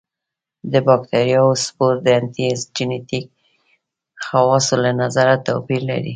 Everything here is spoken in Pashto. د باکتریاوو سپور د انټي جېنیک خواصو له نظره توپیر لري.